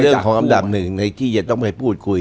ก็ต้องเป็นเรื่องของอันดับหนึ่งที่จะต้องไปพูดคุย